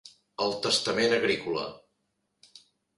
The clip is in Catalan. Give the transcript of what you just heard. El testament agrícola.